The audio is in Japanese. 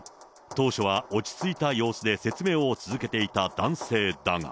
当初は落ち着いた様子で説明を続けていた男性だが。